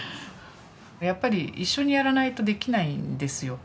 やっぱり一緒にやらないとできないんですよ。